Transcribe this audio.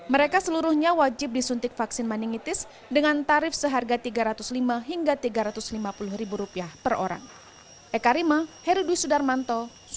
mereka seluruhnya wajib disuntik vaksin meningitis dengan tarif seharga rp tiga ratus lima hingga rp tiga ratus lima puluh per orang